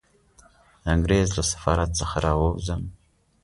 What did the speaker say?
د انګریز له سفارت څخه را ووځم.